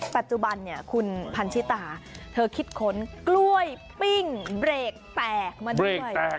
ปัจจุบันเนี่ยคุณพันธิตาเธอคิดค้นกล้วยปิ้งเบรกแตกมาด้วย